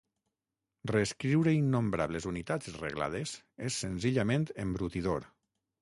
Reescriure innombrables unitats reglades és senzillament embrutidor.